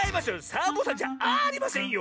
サボさんじゃありませんよ！